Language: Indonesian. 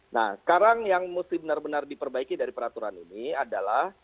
nah sekarang yang mesti benar benar diperbaiki dari peraturan ini adalah